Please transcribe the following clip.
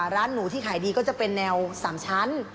ร้านหนูที่ขายดีก็จะเป็นแนว๓ชั้น